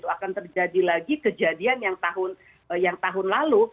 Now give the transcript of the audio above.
akan terjadi lagi kejadian yang tahun lalu